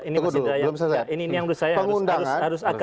ini yang menurut saya harus agak